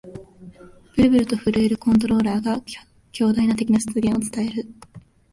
ブルブルと震えるコントローラーが、強大な敵の出現を伝える